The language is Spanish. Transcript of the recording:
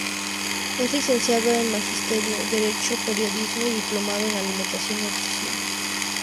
Es licenciado en Magisterio, Derecho, Periodismo y diplomado en Alimentación y Nutrición.